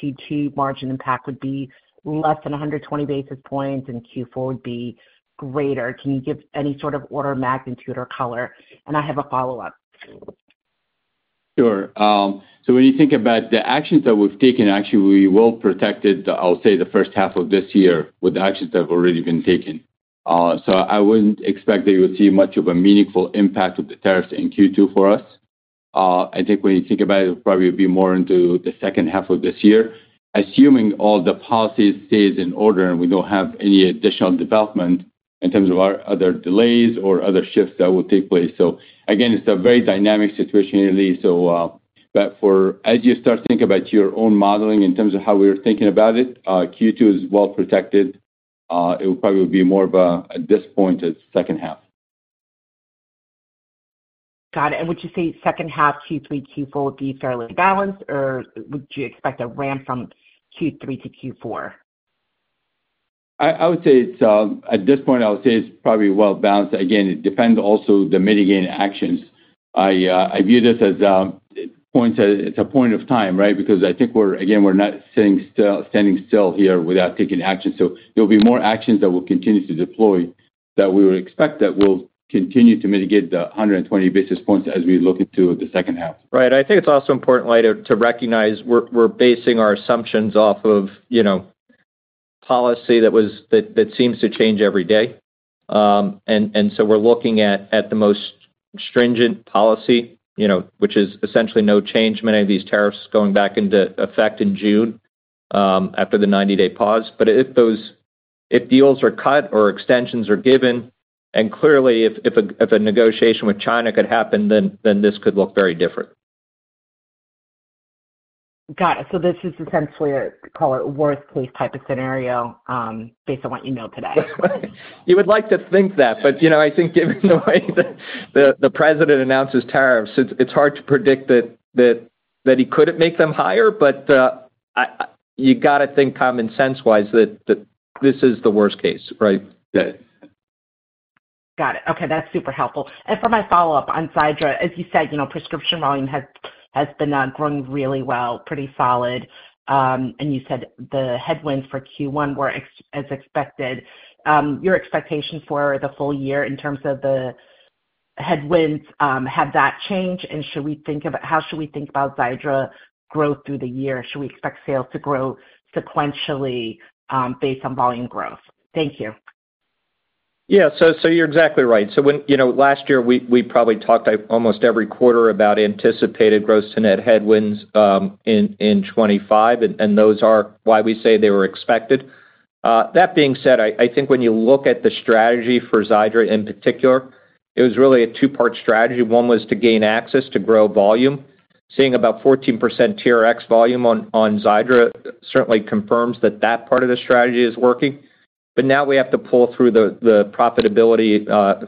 Q2 margin impact would be less than 120 basis points and Q4 would be greater. Can you give any sort of order of magnitude or color? I have a follow-up. Sure. When you think about the actions that we've taken, actually, we will protect, I'll say, the first half of this year with the actions that have already been taken. I wouldn't expect that you would see much of a meaningful impact of the tariffs in Q2 for us. I think when you think about it, it'll probably be more into the second half of this year, assuming all the policies stay in order and we don't have any additional development in terms of our other delays or other shifts that will take place. Again, it's a very dynamic situation here, Li. As you start to think about your own modeling in terms of how we're thinking about it, Q2 is well protected. It will probably be more of a disappointed second half. Got it. Would you say second half Q3, Q4 would be fairly balanced, or would you expect a ramp from Q3 to Q4? I would say at this point, I would say it's probably well balanced. Again, it depends also on the mitigating actions. I view this as a point of time, right? Because I think, again, we're not standing still here without taking action. There will be more actions that we'll continue to deploy that we would expect that will continue to mitigate the 120 basis points as we look into the second half. Right. I think it's also important, Lay, to recognize we're basing our assumptions off of policy that seems to change every day. We're looking at the most stringent policy, which is essentially no change, many of these tariffs going back into effect in June after the 90-day pause. If deals are cut or extensions are given, and clearly, if a negotiation with China could happen, then this could look very different. Got it. This is essentially a, call it, worst-case type of scenario based on what you know today. You would like to think that. I think given the way the president announces tariffs, it's hard to predict that he couldn't make them higher. You got to think common sense-wise that this is the worst case, right? Got it. Okay. That's super helpful. For my follow-up on Xiidra, as you said, prescription volume has been growing really well, pretty solid. You said the headwinds for Q1 were as expected. Your expectations for the full year in terms of the headwinds, have that changed? How should we think about Xiidra growth through the year? Should we expect sales to grow sequentially based on volume growth? Thank you. Yeah. You're exactly right. Last year, we probably talked almost every quarter about anticipated gross-to-net headwinds in 2025, and those are why we say they were expected. That being said, I think when you look at the strategy for Xiidra in particular, it was really a two-part strategy. One was to gain access to grow volume. Seeing about 14% TRX volume on Xiidra certainly confirms that that part of the strategy is working. Now we have to pull through the profitability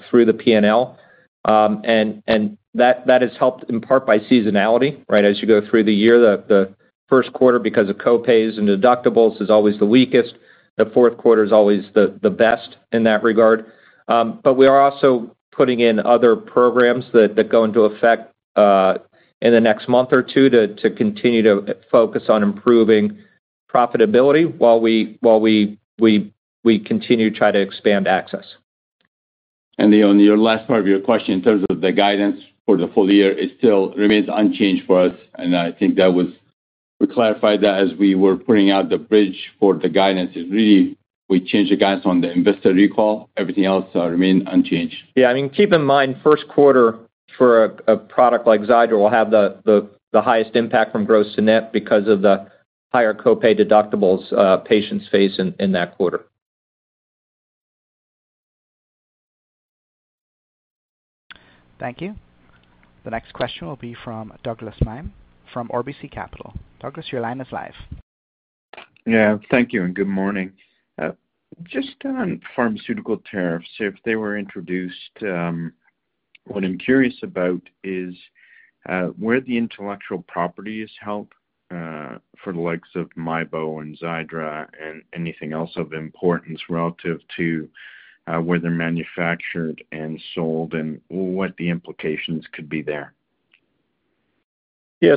through the P&L. That has helped in part by seasonality, right? As you go through the year, the first quarter, because of copays and deductibles, is always the weakest. The fourth quarter is always the best in that regard. We are also putting in other programs that go into effect in the next month or two to continue to focus on improving profitability while we continue to try to expand access. On your last part of your question, in terms of the guidance for the full year, it still remains unchanged for us. I think we clarified that as we were putting out the bridge for the guidance. We really changed the guidance on the investor recall. Everything else remained unchanged. Yeah. I mean, keep in mind, first quarter for a product like Xiidra will have the highest impact from gross-to-net because of the higher copay deductibles patients face in that quarter. Thank you. The next question will be from Douglas Mime from Orbis Capital. Douglas, your line is live. Yeah. Thank you and good morning. Just on pharmaceutical tariffs, if they were introduced, what I'm curious about is where the intellectual property is held for the likes of Mibo and Xiidra and anything else of importance relative to where they're manufactured and sold and what the implications could be there. Yeah.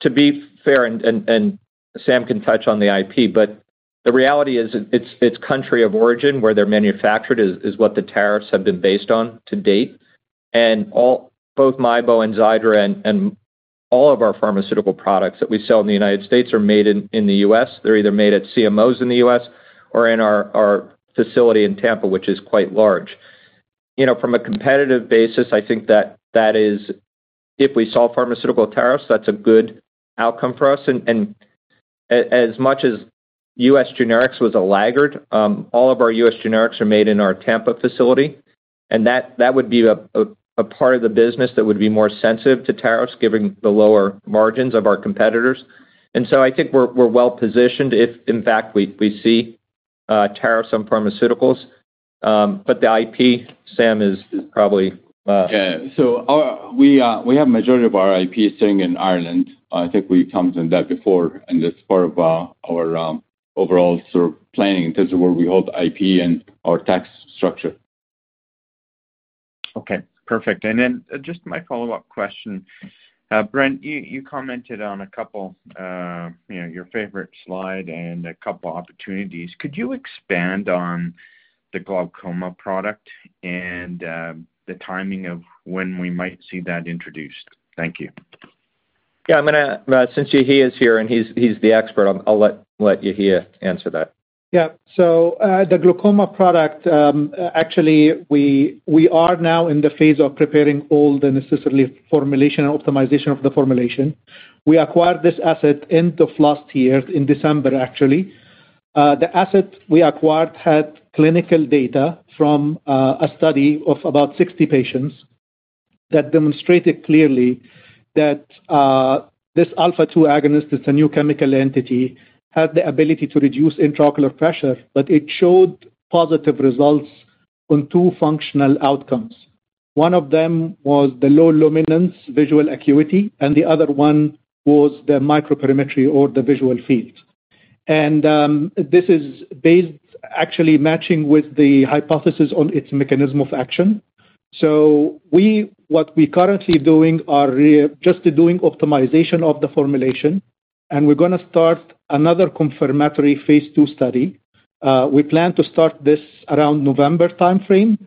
To be fair, and Sam can touch on the IP, but the reality is its country of origin where they're manufactured is what the tariffs have been based on to date. Both Mibo and Xiidra and all of our pharmaceutical products that we sell in the U.S. are made in the U.S. They're either made at CMOs in the U.S. or in our facility in Tampa, which is quite large. From a competitive basis, I think that if we solve pharmaceutical tariffs, that's a good outcome for us. As much as US generics was a laggard, all of our US generics are made in our Tampa facility. That would be a part of the business that would be more sensitive to tariffs, given the lower margins of our competitors. I think we're well positioned if, in fact, we see tariffs on pharmaceuticals. The IP, Sam, is probably—yeah. We have a majority of our IP sitting in Ireland. I think we've talked on that before, and it's part of our overall sort of planning in terms of where we hold IP and our tax structure. Okay. Perfect. And then just my follow-up question. Brent, you commented on a couple of your favorite slide and a couple of opportunities. Could you expand on the glaucoma product and the timing of when we might see that introduced? Thank you. Yeah. Since Yehia is here and he's the expert, I'll let Yehia answer that. Yeah. So the glaucoma product, actually, we are now in the phase of preparing all the necessary formulation and optimization of the formulation. We acquired this asset end of last year, in December, actually. The asset we acquired had clinical data from a study of about 60 patients that demonstrated clearly that this alpha-2 agonist, it's a new chemical entity, had the ability to reduce intraocular pressure, but it showed positive results on two functional outcomes. One of them was the low luminance visual acuity, and the other one was the microperimetry or the visual field. This is based, actually, matching with the hypothesis on its mechanism of action. What we're currently doing is just doing optimization of the formulation, and we're going to start another confirmatory phase two study. We plan to start this around November timeframe,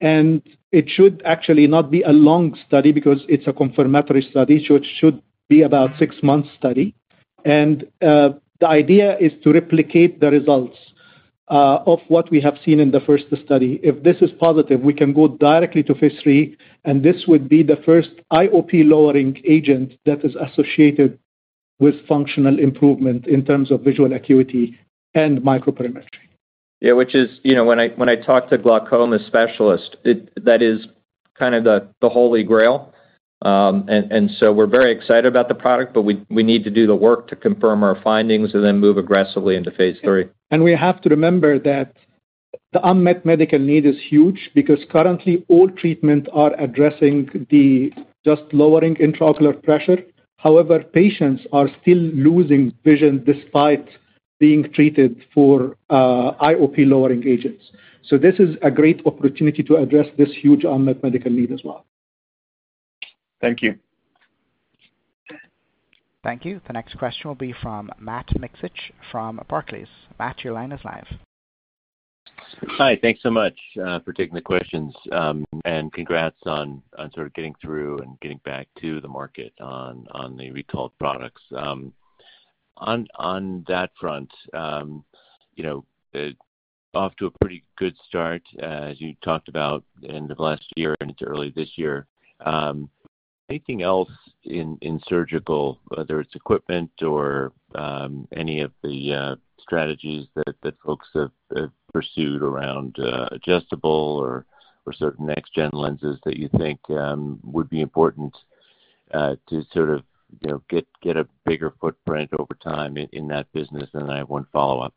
and it should actually not be a long study because it's a confirmatory study, so it should be about a six-month study. The idea is to replicate the results of what we have seen in the first study. If this is positive, we can go directly to phase three, and this would be the first IOP lowering agent that is associated with functional improvement in terms of visual acuity and microperimetry. Yeah. Which is, when I talk to glaucoma specialists, that is kind of the holy grail. We are very excited about the product, but we need to do the work to confirm our findings and then move aggressively into phase three. We have to remember that the unmet medical need is huge because currently, all treatments are addressing just lowering intraocular pressure. However, patients are still losing vision despite being treated for IOP lowering agents. This is a great opportunity to address this huge unmet medical need as well. Thank you. Thank you. The next question will be from Matt Mixich from Barclays. Matt, your line is live. Hi. Thanks so much for taking the questions. Congrats on sort of getting through and getting back to the market on the recalled products. On that front, off to a pretty good start, as you talked about, end of last year and into early this year. Anything else in surgical, whether it's equipment or any of the strategies that folks have pursued around adjustable or certain next-gen lenses that you think would be important to sort of get a bigger footprint over time in that business? I have one follow-up.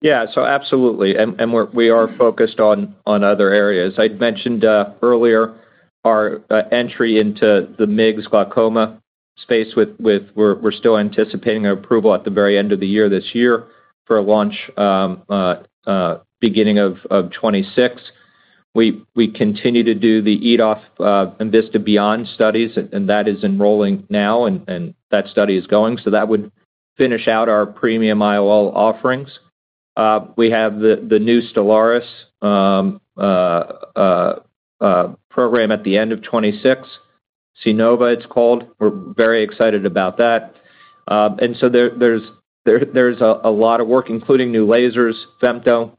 Yeah. Absolutely. We are focused on other areas. I mentioned earlier our entry into the MIGS glaucoma space, we're still anticipating approval at the very end of the year this year for a launch beginning of 2026. We continue to do the EDOF and Invista Beyond studies, and that is enrolling now, and that study is going. That would finish out our premium IOL offerings. We have the new Stelaris program at the end of 2026, CINOVA, it's called. We're very excited about that. There is a lot of work, including new lasers, femto,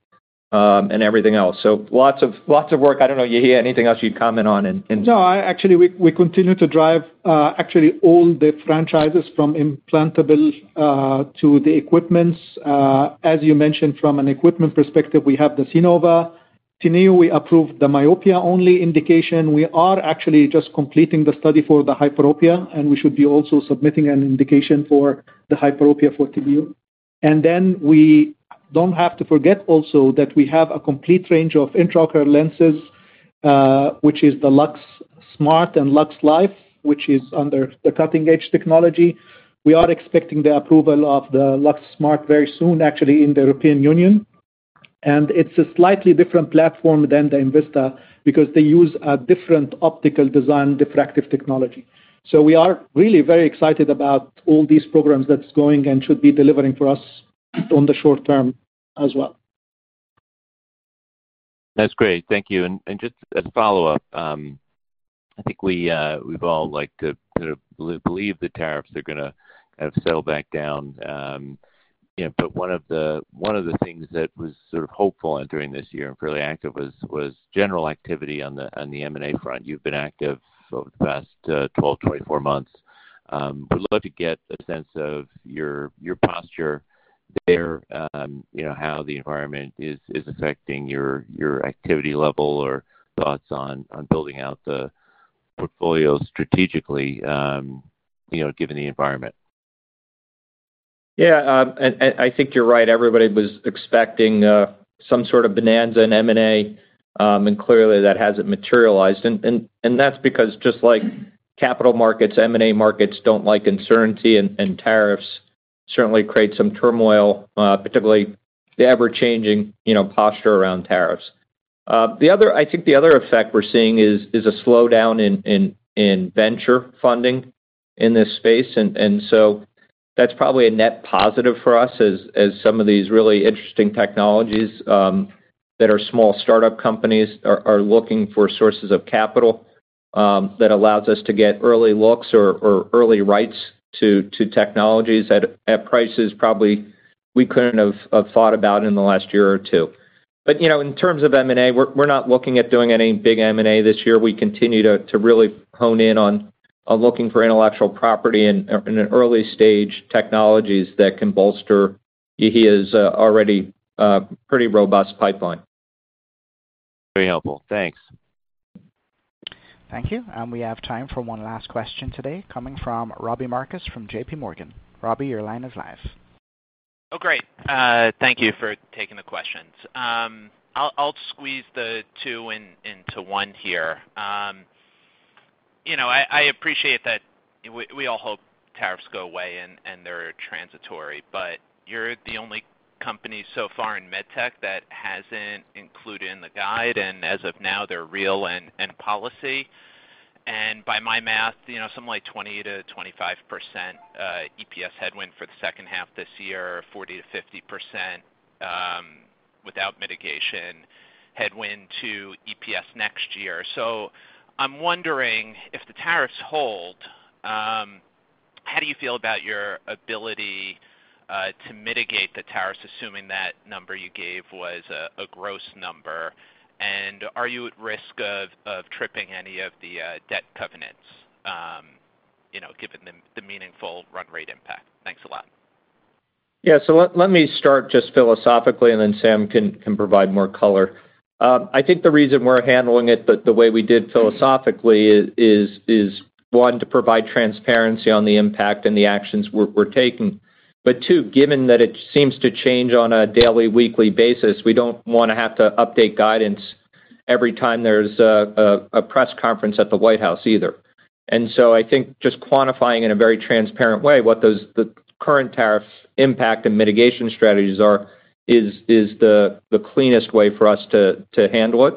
and everything else. Lots of work. I don't know, Yehia, anything else you'd comment on? No. Actually, we continue to drive actually all the franchises from implantable to the equipments. As you mentioned, from an equipment perspective, we have the CINOVA. Tineo, we approved the myopia-only indication. We are actually just completing the study for the hyperopia, and we should be also submitting an indication for the hyperopia for Tineo. We don't have to forget also that we have a complete range of intraocular lenses, which is the LuxSmart and LuxLife, which is under the cutting-edge technology. We are expecting the approval of the LuxSmart very soon, actually, in the European Union. It is a slightly different platform than the Invista because they use a different optical design, diffractive technology. We are really very excited about all these programs that are going and should be delivering for us in the short term as well. That is great. Thank you. Just a follow-up, I think we have all sort of believed the tariffs are going to kind of settle back down. One of the things that was sort of hopeful entering this year and fairly active was general activity on the M&A front. You have been active over the past 12-24 months. We would love to get a sense of your posture there, how the environment is affecting your activity level or thoughts on building out the portfolio strategically given the environment. Yeah. I think you are right. Everybody was expecting some sort of bonanza in M&A, and clearly, that hasn't materialized. That is because, just like capital markets, M&A markets do not like uncertainty, and tariffs certainly create some turmoil, particularly the ever-changing posture around tariffs. I think the other effect we're seeing is a slowdown in venture funding in this space. That is probably a net positive for us as some of these really interesting technologies that are small startup companies are looking for sources of capital that allows us to get early looks or early rights to technologies at prices probably we could not have thought about in the last year or two. In terms of M&A, we are not looking at doing any big M&A this year. We continue to really hone in on looking for intellectual property and early-stage technologies that can bolster Yehia's already pretty robust pipeline. Very helpful. Thanks. Thank you. We have time for one last question today coming from Robbie Marcus from JPMorgan. Robbie, your line is live. Oh, great. Thank you for taking the questions. I'll squeeze the two into one here. I appreciate that we all hope tariffs go away and they're transitory, but you're the only company so far in medtech that hasn't included in the guide. As of now, they're real and policy. By my math, something like 20%-25% EPS headwind for the second half this year, 40%-50% without mitigation, headwind to EPS next year. I'm wondering, if the tariffs hold, how do you feel about your ability to mitigate the tariffs, assuming that number you gave was a gross number? Are you at risk of tripping any of the debt covenants given the meaningful run rate impact? Thanks a lot. Yeah. Let me start just philosophically, and then Sam can provide more color. I think the reason we're handling it the way we did philosophically is, one, to provide transparency on the impact and the actions we're taking. Two, given that it seems to change on a daily, weekly basis, we don't want to have to update guidance every time there's a press conference at the White House either. I think just quantifying in a very transparent way what the current tariff impact and mitigation strategies are is the cleanest way for us to handle it.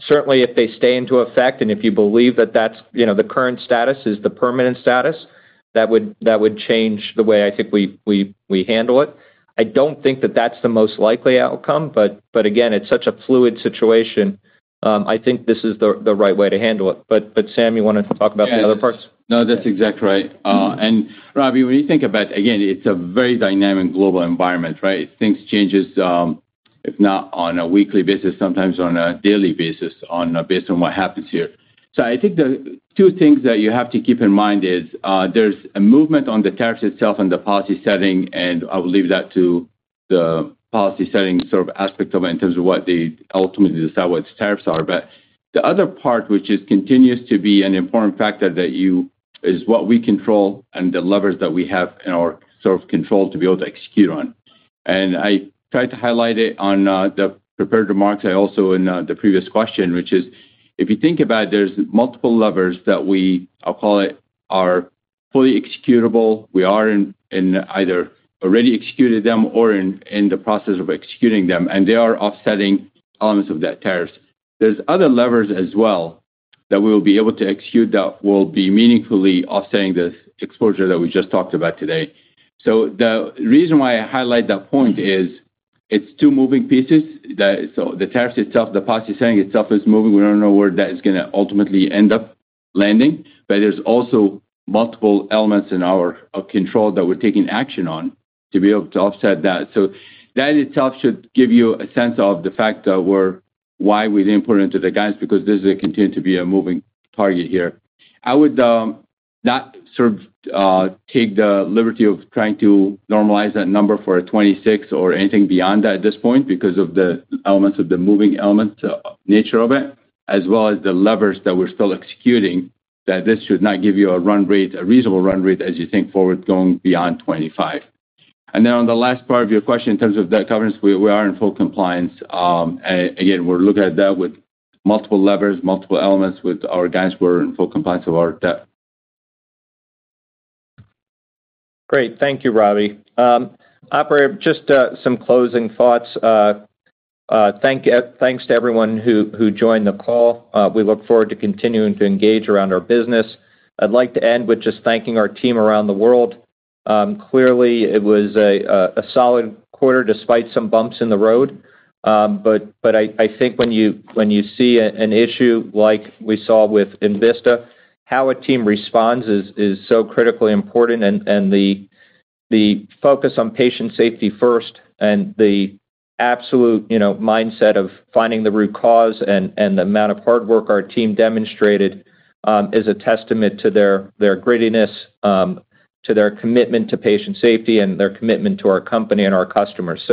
Certainly, if they stay into effect and if you believe that that's the current status, is the permanent status, that would change the way I think we handle it. I don't think that that's the most likely outcome. Again, it's such a fluid situation. I think this is the right way to handle it. Sam, you want to talk about the other parts? No, that's exactly right. Robbie, when you think about, again, it's a very dynamic global environment, right? Things change, if not on a weekly basis, sometimes on a daily basis based on what happens here. I think the two things that you have to keep in mind is there's a movement on the tariffs itself and the policy setting, and I will leave that to the policy setting sort of aspect of it in terms of what they ultimately decide what the tariffs are. The other part, which continues to be an important factor, is what we control and the levers that we have in our sort of control to be able to execute on. I tried to highlight it on the prepared remarks also in the previous question, which is, if you think about it, there's multiple levers that we, I'll call it, are fully executable. We are in either already executed them or in the process of executing them, and they are offsetting elements of that tariffs. There's other levers as well that we will be able to execute that will be meaningfully offsetting this exposure that we just talked about today. The reason why I highlight that point is it's two moving pieces. The tariffs itself, the policy setting itself is moving. We don't know where that is going to ultimately end up landing, but there's also multiple elements in our control that we're taking action on to be able to offset that. That itself should give you a sense of the fact of why we did not put it into the guides because this is going to continue to be a moving target here. I would not sort of take the liberty of trying to normalize that number for a 26 or anything beyond that at this point because of the elements of the moving element nature of it, as well as the levers that we are still executing, that this should not give you a run rate, a reasonable run rate as you think forward going beyond 25. On the last part of your question in terms of debt covenants, we are in full compliance. Again, we are looking at that with multiple levers, multiple elements with our guidance. We are in full compliance of our debt. Great. Thank you, Robbie. Operator, just some closing thoughts. Thanks to everyone who joined the call. We look forward to continuing to engage around our business. I'd like to end with just thanking our team around the world. Clearly, it was a solid quarter despite some bumps in the road. I think when you see an issue like we saw with Invista, how a team responds is so critically important. The focus on patient safety first and the absolute mindset of finding the root cause and the amount of hard work our team demonstrated is a testament to their grittiness, to their commitment to patient safety, and their commitment to our company and our customers.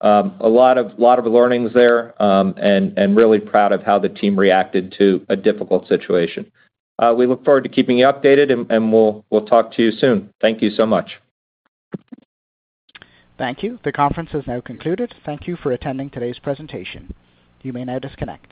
A lot of learnings there and really proud of how the team reacted to a difficult situation. We look forward to keeping you updated, and we'll talk to you soon. Thank you so much. Thank you. The conference has now concluded. Thank you for attending today's presentation. You may now disconnect.